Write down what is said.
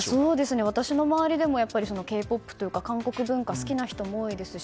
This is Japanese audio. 私の周りもＫ‐ＰＯＰというか韓国文化が好きな人が多いですし